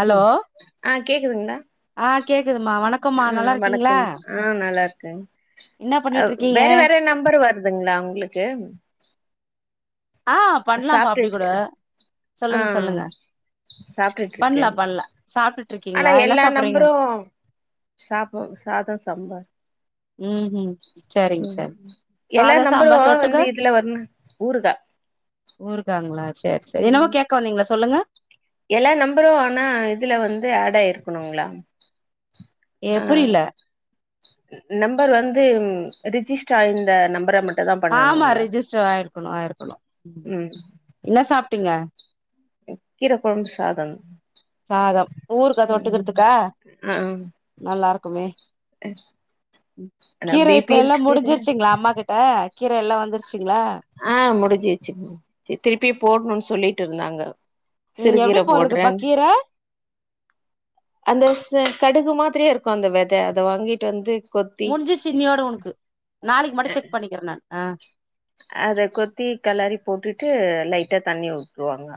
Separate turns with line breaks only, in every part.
hello
ஆ கேக்குதுங்களா
ஆ கேக்குதுமா வணக்கம்மா
ஆ
நல்லா இருக்கீங்களா
வணக்கம் ஆ நல்லாருக்கே
என்ன
அ
பண்ணிட்டு இருக்கீங்க
வேற வேற நம்பரு வருதுங்ளா உங்ளுக்கு
ஆஹ் பண்ணலாம்ப்பா அப்படி கூட
சாப்ட்டுட்டு
சொல்லுங்க சொல்லுங்க
சாப்பிட்டுட்டு
பண்லா
இருக்கேன்
பண்லா சாப்ட்டுட்டு
ஆனா
இருக்கீங்களா என்ன
எல்லா
சாப்பறீங்க
நம்பரும் சாப்பம் சாதம் சாம்பார்
உம்ஹீம்
ம் எல்லா
சாம்பார்
நம்பரும்
தொட்டுக்க
வந்து இதுல வரணும் ஊறுகா
ஊறுகாங்களா சேரி சேரி என்னவோ கேட்க வந்தீங்களா சொல்லுங்க
எல்லா நம்பரும் ஆனா இதுல வந்து ஆட் ஆயிருக்கணுங்களா
ஏ
ஆ
புரியல
நம்பர் வந்து ரிஜிஸ்ட் ஆ இந்த நம்பர்
ஆமா ரிஜிஸ்டர் ஆயிருக்கணும் ஆயிருக்கணும் என்ன சாப்ட்டீங்க
கீரக்குழம்பு சாதம்
சாதம் ஊறுகா
ஆ
தொட்டுக்கிறதுக்கா
ஆ
நல்லா இருக்குமே
ஆனா
கீர
பி
இப்ப
பி
எல்லாம்
இருக்கீது
முடிஞ்சிருச்சுங்களா அம்மா கிட்ட கீர எல்லாம் வந்துச்சு
ஆஹ் முடிஞ்சிச்சு திருப்பி போடணும்ன்னு சொல்லிட்டு இருந்தாங்க
ம்
சிறுகீர
எப்டி போடுறதுப்பா
போடுறேன்
கீர
அந்த கடுகுமா த்திர இருக்கும் அந்த வித அதை வாங்கிட்டு வந்து கொத்தி
முடிஞ்சுச்சு இன்னியோட உனக்கு நாளைக்கு மட்டும் செக் பண்ணிக்கிறேன் நான் ஆ
அத கொத்தி கலரி போட்டுட்டு லைட்டா தண்ணி ஊத்துவாங்க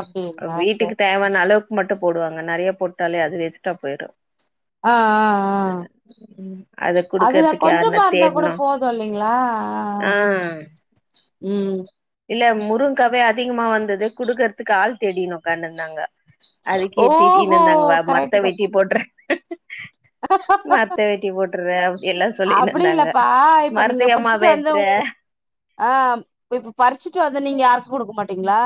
அப்டிங்களா சேரி
வீட்டுக்கு தேவையான அளவுக்கு மட்டும் போடுவாங்க நிறைய போட்டாலே அது வேஸ்ட்டா போயிடும்
ஆஹ் ஆஹ் ஆஹ்
அத
அதுதான்
குடுக்கறதுக்கு
கொஞ்சமா இருந்தா கூட போதும் இல்லைங்களா
ஆஹ்
உம்
இல்ல முருங்காவே அதிகமா வந்தது குடுக்குறதுக்கு ஆள் தேடியணு உக்காண்டு இருந்தாங்க அதுக்கே திட்டின்ட்டு
ஓஹோ
இருந்தாங்க வா மரத்த வெட்டி போட்றேன்
ஆ ஹ ஹ ஹ ஹ
போட்டுறே அப்டி எல்லா
அப்படி
சொல்லினுந்தாங்க
இல்லப்பா இப்ப நீங்க
மரத்தையம்மா
பறிச்சுட்டு வந்த
வெட்ற
ஆஹ் இப்ப பறிச்சுட்டு வந்து நீங்க யாருக்கும் குடுக்க மாட்டீங்களா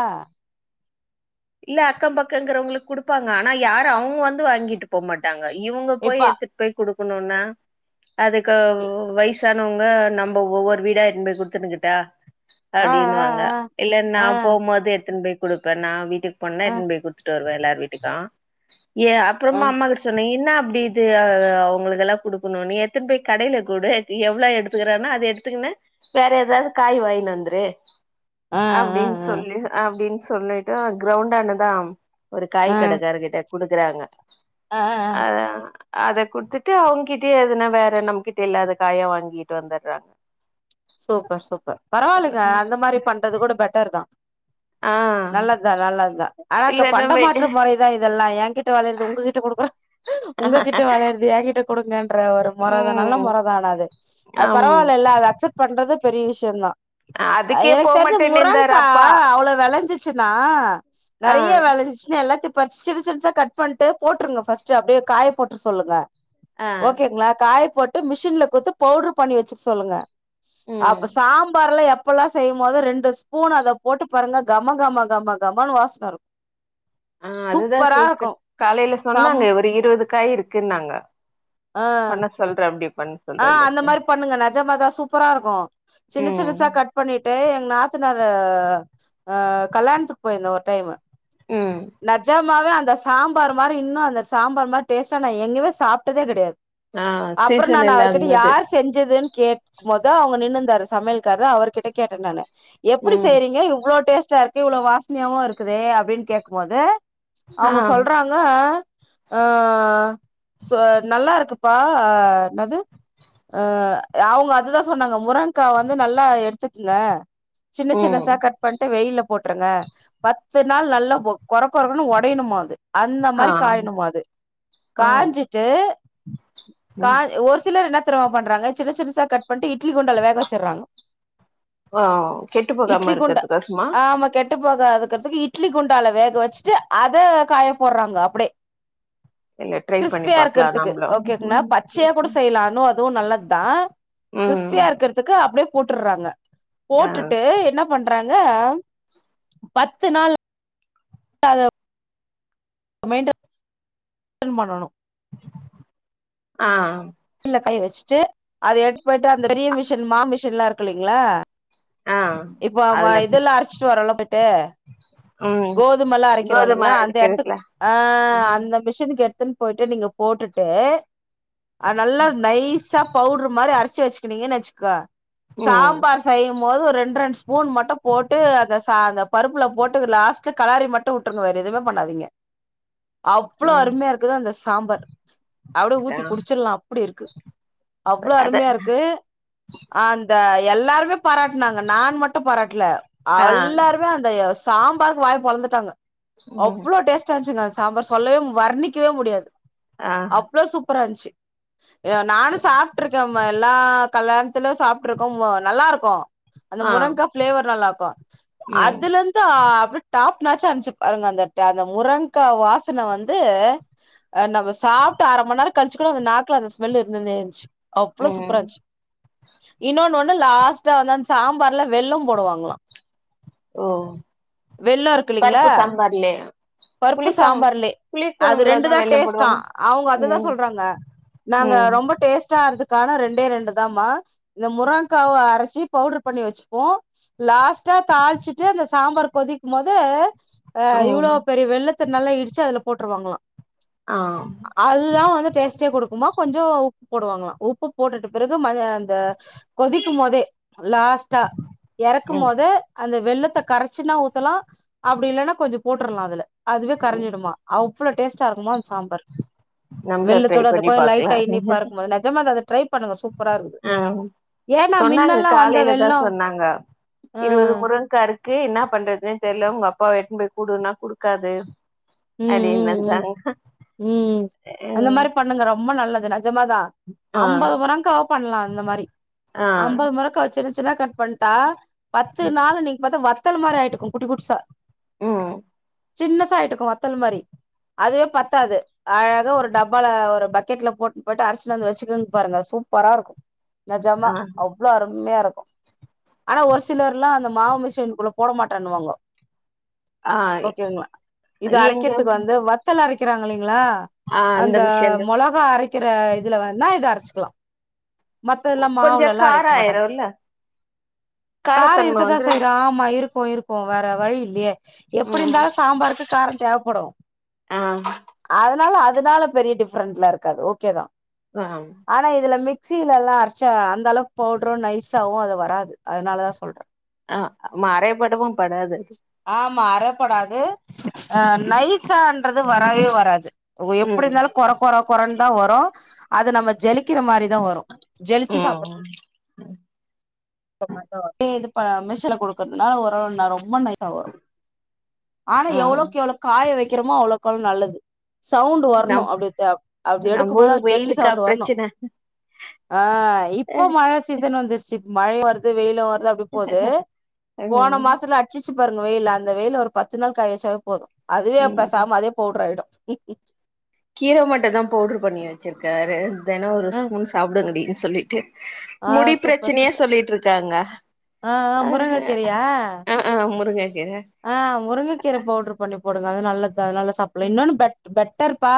இல்ல அக்கம் பக்கங்கிறவங்களுக்கு குடுப்பாங்க ஆனா யாரும் அவுங்க வந்து வாங்கிட்டு போக மாட்டாங்க இவுங்க
இப்ப
போய் எடுத்துட்டு போய் குடுக்கணும்னா அதுக்கு வயசு னவங்க நம்ம ஒவ்வொரு வீடா எடுத்துனுபோய் குடுத்துன்னுக்கிட்டா
ஆ
அப்டின்னு
ஆ
வாங்க
ஆ
இல்ல நா
ஆ
போவும்போது எடுத்துன்னு போய் குடுப்பேன் நான் வீட்டுக்கு பண்ண
ஆ
எடுத்துட்னு போய் குடுத்துட்டு வருவேன் எல்லாரு வீட்டுக்கும் ஏ
ஆ
அப்புறமா அம்மா கிட்ட சொன்னே என்ன அப்படி இது அவுங்களுக்குல்லாம் கொடுக்கணும் நீ எடுத்துட்னு போய் கடையில குடு எவ்ளோ எடுத்துக்குறானோ அது எடுத்துக்க ன வேற ஏதாவது காய் வாங்கிட்டு வந்துரு
ஆ ஆ
அப்படின்னு சொல்லி அப்படின்னு சொ சொல்லிட்டு க்ரௌண்டானதான் ஒரு காய் கடக்காரர் கிட்ட குடுக்குறாங்க
ஆஹ்ஹ்
அ அத குடுத்துட்டு அவுங்ககிட்டயே எதுனா வேற நம்மகிட்ட இல்லாத காயா வாங்கிட்டு வந்துடுறாங்க
சூப்பர் சூப்பர் பரவாயில்லங்க அந்த மாதிரி பண்றது கூட பெட்டர் தான்
ஆஹ்
நல்லது தான் நல்லது தான் ஆனா அக்க பண்ட
வெ
மாற்ற முறைதான் இதெல்லாம் என்கிட்ட விளையுறது உங்ககிட்ட கொடுக்குறோம் உங்ககிட்ட விளையுறத என் கிட்ட கொடுங்க பர ஒரு முறை தான் நல்ல
ம்
முறை தான அது அது
ஆம்
பரவாயில்லல்ல அது அக்செப்ட் பண்றது பெரிய விஷயம்தான்
அதுக்கே
எனக்கு தெரிஞ்ச
போமாட்டேன்னுந்தாரு
முருங்கா
அப்பா
அவ்ளோ விளைஞ்சிச்சு ச்சனா
ஆ
நிறைய விளஞ்சிச்சுனா எல்லாத்தையும் பறிச்சி சி சிறுசா கட் பண்ணிட்டு போட்டுருங்க ஃபர்ஸ்ட் அப்படியே காய போட்டு சொல்லுங்க
ஆ
ஓகேங்களா காய போட்டு மிஷின்ல குடுத்து பவுட்ரு பண்ணி வச்சுக்க சொல்லுங்க
ம்
அப்ப சாம்பார்லாம் எப்ப அப்டில்லாம் செய்யும் போது ரெண்டு ஸ்பூன் அத போட்டு பாருங்க கம கம கம கமனு வாசன வரும்
ஆஹ் அதுதான் ச காலையில
சம்
சொன்னாங்க ஒரு இருபதுக்காய் இருக்குன்னாங்க
ஆ
பன்ன சொல்ற அப்டி பண்ண
ஆ
சொல்ற இல்ல
அந்த மாரி பண்ணுங்க நஜமாதா சூப்பரா இருக்கு சின்ன
ம்
சின்னசா கட் பண்ணிட்டு எங்க நா நாத்னார் ல்யாணத்துக்கு போயிருந்த ஒரு டைமு
ம்
நஜாமாவே அந்த அந்த சாம்பார் மாரி இன்னு அந்த சாம்பார் மாரி டேஸ்டா நா எங்கயே சாப்ட்டதே கடையாது
ஆ சே
நா அவர்கிட்ட யார் செஞ்சதுன்னு கேட்கும் போது அவங்க நின்னுந்தாரு சமையல்காரர் அவர் கிட்ட கேட்டே நானு எப்படி
ம்
செய்றீங்க இவ்வளோ டேஸ்ட்டா இருக்கு இவ்வளவு வாசனையாவும இருக்குதே அப்டின்னு கேக் போது
ஆ
அவங்க சொல்றாங்க ஆ நல்லா இருக்கு பா என்னது அ அவங்க அதுதான் சொன்னாங்க முராங்கா வந்து நல்லா எடுத்துக்கங்க சின்ன சின்ன சா
ம்
கட் பண்ட்டு வெயில போட்ருங்க பத்து நாள் நல்லா குற குறக்கன்னு உடையணுமோ அது அந்த
ஆ
மாரி காயனும்மா அது
ஆ
காஞ்சிட்டு கா
ம்
ஒரு சிலர் என்ன திறம பண்றாங்க சின்ன சின்னசா கட் பண்ட்டு இ்ட்லி குண்டால வேக வச்சுடுறாங்க
ஆ கெட்டு போகாம இருக்கிறது கசுமா
ஆமா கெட்டு போகாதுக்கிறதுக்கு இட்லி குண்டால வேக வச்சுட்டு அத காய போடுறாங்கோ அப்டியே
இல்ல ட்ரை பண்ணி
கிறிஸ்பியா
பாக்கலா
இருக்கிறதுக்கு
நம்பளு
ஓகோங்க ல பத்து கூட
ம்
செய்லா அதுவு நல்லது தா
ம்
கிறிஸ்பியா இருக்கிறதுக்கு அப்டியே போட்டுறாங்க
ஆ
போட்டுட்டு என்ன பண்றாங்க பத்து நாள் [unintelligible] மெயின்டெய்ன் பண்ணணு
ஆ
ல காய வச்சுட்டு அதை எடுத்து போயிட்டு அந்த பெரிய மிஷின் மா மிஷின் எலா இருக்கு இல்லைங்களா
ஆ
இப்ப ஆமா
அதுல
இதெல்லா அரைச்சிட்டு வரல்லோ போயிட்டு
ம்
கோதும எல்லா அரைக்கிறோ
கோதும
இல்லைங்களா அந்த எடத்து
அரைக்கிறதுல
ஆ
ம்
அந்த மிஷினுக்கு எடுத் துணு போயிட்டு நீ போட்டுட்டு நல்லா நைசா பவுட்ரு மாரி அரைச்சி வச்சு நீங்கு வச்சுக்க
ம்
சாம்பார் செய்யும்போது ஒரு ரெண் ஸ்பூன் மட்டு போட்டு அந்த அந்த பருப்புல போட்டு லாஸ்ட்ல கலாரி மட்டு உட்ருங்க வேற எதுமே பண்ணாதீங்க அவ்ளோ
ம்
அருமையா இருக்குது அந்த சாம்பர் அட
ஆ
ஊத்தி குடிச்சிடலா அப்டி இருக்கு அவ்ள
அத
அருமையா இருக்கு அந்த எல்லாருமே பாராட்னாங்க நா மட்டு பாராட்ல
ஆ
எல்லாருமே அந்த சாம்பாருக்கு வாய பொழந்துட்டாங்க
ம்
அவ்ளோ டேஸ்ட் ஆ இருந்துச்சுங்க சாம்பார் சொல்லவே வர்ணிக்கவே முடியாது
ஆ
அவ்ளோ சூப்பர் இருந்ச்சு நானு சாப்ட்டு இருக்கே ம் எல்லா கல்யாணத்திலயு சாப்ட்டு இருக்கோ நல்லா இருக்கு அந்த
ஆ
முரங்காய் பிளேவர் நல்லா இருக்கு
ம்
அதுல இருந்து அப்ப டாப் னாச்ச ஆன்ச்சு பாருங்க அந்த அந்த முரங்காய் வாசனை வந்து அ நம்ம சாப்ட்டு அரை மணி நேம் கழிச்ச கூட அந்த நாக்குல அந்த ஸ்மெல் இருந்ததே இருந்ச்சு அவ்ளோ சூப்பரா
ம்
இருந்ச்சு இன்னொன்னு ஒண்ணு லாஸ்டா வந்த சாம்பார்ல வெள்ளம் போடுவாங்களா
ஓ
வெள்ள இருக்குல்லீங்களா
பருப்பு சாம்பார்லயா
பருப்பு
புளி சாம்
சாம்பார்லே
புளி
அது
கொழம்புலதா
ரெண்டுதான்
வெல்லம்
டேஸ்டா
போடுவாங்க
அவங்க அததுதா
ம்
சொல்றாங்க நாங்க
ம்
ரொம்ப டேஸ்டா இருது கான ரெண்டே ரெண்டு த மா இந்த முருங்க கா அரைச்சி பவுடர் பண்ணி வச்சுப்போ லாஸ்ட் டா தாளச்சிட்டு அந்த சாம்பார் கொதிக்கும் போது் ஆ இவ்ளோ
ம்
பெரிய வெள்ள த நல்லா இடிச்சு அதுல போட்ருவாங்கலா
ஆ
அதுதா வந்து டேஸ்ட்டே கொடுக்குமா கொஞ்ச உப்பு போடுவாங்களா உப்பு போட்டுட்டு பிறகு ம அந்த கொதிக்கு போதே லாஸ்ட்டா
ஆ
எறக்கும் போது அந்த வெள்ளத்த கரச்சுனா ஊத்தலா அப்டி இல்லன்னா கொஞ்ச போட்ரலா அதுல அதுவே கரஞ்சிடுமா அவ் ளோ டேஸ்ட்டா இருக்குமா அந்த சாம்பார்
நம்மள ட்ரை
வெள்ளுத்தோட அந்த
பண்ணி
கொஞ்
பாக்கலா
லைட்டா இனிப்பா இருக்கும் போது நெஜமா தா அது ட்ரை பண்ணுங்க சூப்ரா இருக்குது ஏனா மின்னெல்லா வந்
காலைல தா சொன்னாங்க இருவது முருங்க்கா இருக்கு என்னா பண்றது தெர்ல ஒங்க அப்பாவ எட்னு போய் குடுனா குடுக்காது
ம்
அப்டின்
ம் ம்
இந்தாங்
ம் அந்த மாரி பண்ணுங்க ரொம்ப நல்லது நெ ஜமா தா
ஆ
அம்பது மொறங்க்கா பண்லா இந்த மாரி
ஆ
அம்பது மொறக்கா சின்ன சி ன்தா கட் பண்ட்டா பத்து நாலு நீங்க பாத்தா வத்தல் மாரி ஆயிட்டுக்கு குட்டி குடிசா
ம்
சின்ன சாயிடுக்கு வத்தல் மாரி அதுவே பத்தாது அழகா ஒரு டப்பால ஒரு பக்கெட்ல போட்டு போட்டு அரசுட்டு வந்து வச்சுக்குங்க பாருங்க சூப்பரா இருக்கு நெஜமா
ஆ
அவ்ளோ அருமையா இருக் ஆனா ஒரு சிலர்லா அந்த மாவு மிஷின்குள்ள போட மாட்டேனுவாங்க
ஆ
ஓகேங்களா இது
எங்க
அரைக்கிறதுக்கு வந்து வத்தல் அரைக்கிறாங்க இல்லைங்களா அ
ஆ
அந்த
மிஷன்ல
மொளகா அரைக்கிற இதுல வேனா இத அரச்சிக்லா மத்ததெல்லா
கொஞ்ச
மாவுளலா
கார
அரைக்க மாட்டாங்க
ஆயிருல்ல
கார
காரத்தன்ம
இருக்கதா
வந்துரு
செய்யற ஆமா இருக் போயிருப்போ வேற வழி இல்யே எப்டி
ம்
இருந்தாலு சாம்பாருக்கு கார தேவப்படு
ஆ
அதனால அதனால பெரிய டிஃப்ரென்லாஇருக்காது ஓகேதா
ஆ
ஆனா இதுல மி சீல எல்லா அரச்சா அந்த அளவுக் பவுட்ரு நைசாவோ அது வராது அதனாலதா சொல்ற
ஆ மறை படவும் படாது
ம்மா அறப்படாது அ நைசான்றது வரவே வராது ஒ எப்புடி
ம்
இருந்தாலு கொற கொற கொறன் தா வரும் அது நம்ம ஜலிக்கிற மாரிதா வரும் ஜெலிச்சு சாப்பு
உம்
ஓ பாத்தோ இது ப மிஸ்சில குடுக்கர்துனால ஓரளவு நல்லா ரொம்ப நைசா வரும் ஆனா எவ்ளோ
ம்
கெவ்ளோ காய வைக்கிறோமோ அவ்ளக்கெவ்ளோ நல்லது சவுண்ட்டு
நம்
வர்ணும் அப்டி த அப்டி எடுக்கும்
நம்ம
போது
ஊரு
ஜெல்லி
வெயிலுக்கா
சவுண்ட்டு வரணும்
பிரச்சன
ஆ இப்போ மழ சீசன் வந்துச்சு மழை வருது வெயிலும் வர் து அப்டி போது போன
ம்
மாஸ்த்துல அடிச்சிச்சு பாருங்க வெயிலு அந்த வெயில்ல ஒரு பத்து நாள் காயச்சாவே போதும் அதுவே அப்ப
ம்
சாமாதே போட்றாயிடும்
கீர மட்டும் தா பவுட்கு பண்ணி வெச்சிருக்காரு தெனோ ஒரு
ஆ
ஸ்பூன் சாப்ட முடிது சொல்லிட்டு
ஆ
முடி
சூப்பர்
பிரச்சனைய
சூப்பர்
சொல்லிட்ருக்காங்க
ஆ ஆ முருங்கக் கீரயா
ஆ ஆ முருங்க கீர
ஆ முருங்கக்கீர பவுட்ரு பண்ணி போடுங்க அது நல்லத்தா நல்ல சாப்ளே இன்னொன்னு பெட் பெட்டர்ருப்பா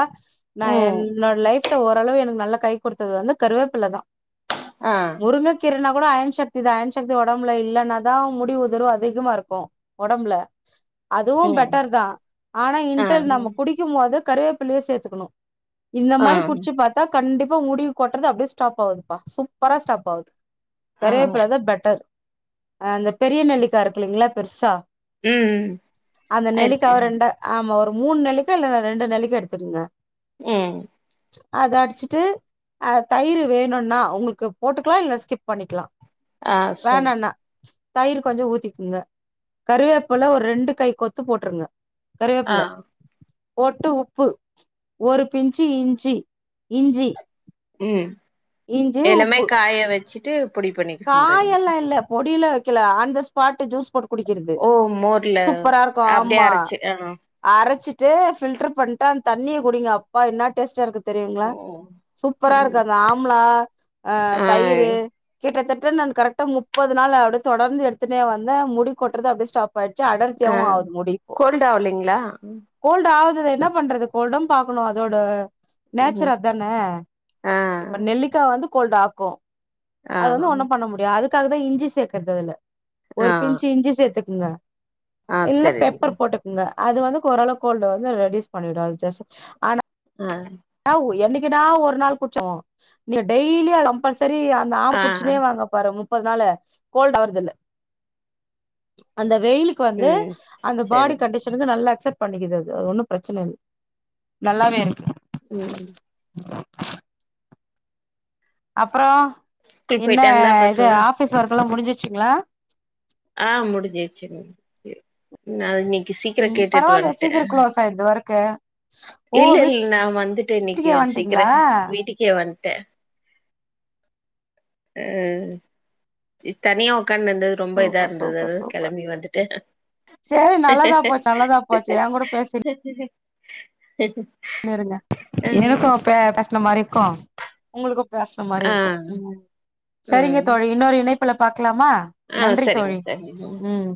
நா
ம்
என்னோட லைஃப்ல ஓரளவு எனக் நல்லா கை கொடுத்தது வந்து கருவேப்பில்ல தா
ஆ
முருங்க கீரனா கூட அயன் சக்தி தா அயன் சக்தி ஒடம்புல இல்லன்னாதா முடி உதர்வு அதிகமா இருக்கும் ஒடம்புல அதுவும்
ம்
பெட்டர் தா ஆனா
ஆ
இன்டல் நம்ம குடிக்கும் போது கருவேப்பில்லய சேத்துக்கணும் இந்த
ஆ
மாரி குடிச்சு பாத்தா கண்டிப்பா முடி கொட்றது அப்டியே ஸ்டாப் ஆகுதுப்பா சூப்பரா ஸ்டாப் ஆகுது
ஆ
கருவேப்புலதா பெட்டர் அ அந்த பெரிய நெல்லிக்கா இருக்குல்லீங்ளா பெர்சா
ம்
அந்த
இருக்கு
நெலிக்காவ ரெண்டா ஆமா ஒரு மூண் நெல்லிக்கா இல்ல ரெண்டு நெல்லிக்கா எடுத்துக்குங்க
ம்
அத அடிச்சுட்டு அ தயிரு வேணுன்னா உங்கள்க்கு போட்டுக்லா இல்ல ஸ்கிப் பண்ணிக்லா
ஆ சர்
தயிர் கொஞ்சொ ஊத்திக்குங்க கருவேப்புல ஒரு ரெண்டு கை கொத்து போட்ருங்க
ஆ
கருவேப்புள்ள போட்டு உப்பு ஒரு பின்ச்சி இஞ்சி இஞ்சி
ம்
இஞ்சி
எல்லாமே
உப்பு
காய வெச்சிட்டு பொடி பண்ணிக்க சொல்றீங்க
கொடில வெக்கல ஆன் த ஸ்பாட் ஜூஸ் போடு குடிக்கிறது
ஓ மோர்ல
சூப்பரா இருக்கு
அப்டியே
ஆமா
அரச்சு ஆ
அரைச் சிட்டு ஃபில்டர் பண்ட்டு அந்த தண்ணிய குடிங்க அப்பா என்னா டேஸ்டா இருக்கு தெரியுங்ளா
ஓ
சூப்பரா இருக்கு அந்த ஆம்லா
ஆ
தயிர் கிட்டத்தட்ட நான் கரெக்டா முப்பது நாள் அப்டி தொடர்ந்து எடுத்துனே வந்தா முடி கொட்டறது அப்டியே ஸ்டா ப்ய்ச்சு
ஆ
அடர்த்தியாவு ஆகுது முடி இப்போ
கோல்ட் ஆவலைங்களா
கோல்டு ஆவ்து அதென்ன பண்றது ஒடம் பாக்கணு அதோட நேச்சுர்
ம்
அதான
ஆ
இப்ப நெல்லிக்கா வந்து கோல்ட் ஆக்கு அது வந்து
ஆ
ஒண்ணு பண்ண முடியு அதுக்காகதா இஞ்சி சேர்க்கறது அதுல
ஆ
ஒரு பிஞ்ச் இஞ்சி சேத்து ங்க
ஆ
இல்ல
சரிங்க
பெப்பர் போட்டுகுங்க அது வந்து கோரளவு கோல்டு வந்து ரெடியூஸ் பண்ணிடு அது ஜஸ் ஆனா
ஆ
னா என்னை க்கினா ஒரு நாள் குடிச்சாவுனு நீங்க டெய்லி அத கம்பல்சரி அந்த ஆம
ஆ
குடிச்சுனே வாங்க பரவும் னால கோல்டு ஆவறது இல்ல அந்த வெயிலுக்கு வந்து
ம்
அந்த பாடி
சரிங்
கண்டிஷனுக்கு நல்ல அக்சட் பண்ணிக்குது அது ஒன்னு பிரச்சன இல்ல நல்லாவே இருக்கு
ம் ம்
அப்றோ
ஸ்கூல்
என்ன
போயிட்டாங்களா
இது
பசங்க
ஆபீஸ் ஒர்க் எல்லா முடிஞ்ச்சிருச்சுங்ளா
ஆ முடிஞ்சிருச்சுங் நா இன்னைக்
ம் பரவாயில்ல சீக்கிரோ க்ளோஸ் ஆயிடுது வொர்க்
இல்ல இல்ல நா வந்துட்டே இன்னைக்கு கொஞ்சோ சீக்கிரோ
வந்ட்டீங்களா
வீட்டுக்கே வந்துட்டே அஹ தனியா கண் இந்தது ரொம்ப இதா
சூப்பர்
இருந்தது
சூப்பர்
அதா
சூப்பர்
கெளம்பி வந்துட்ட
சரி நல்லதா போச்சு நல்லதா போச்சு என் கூட னு இருங்க
ஆ
எனக்கு பே பேசன மாரி இருக்கு உங்ளுக்கு பேசன மாரி
ஆ
இருக்கு ம் சரிங்க
ம்
தோழி இன்னொரு இணைப்புல பா க்கலாமா
ஆ
நன்றி
சரிங்க
தோழி
சரிங்க
ம்